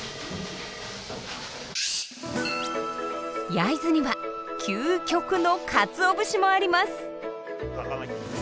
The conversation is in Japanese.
焼津には究極のかつお節もあります。